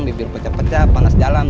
bibir pecah pecah panas jalan